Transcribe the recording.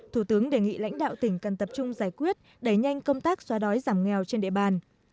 thủ tướng đề nghị lãnh đạo tỉnh cần tập trung giải quyết đẩy nhanh công tác xóa đói giảm nghèo trên địa bàn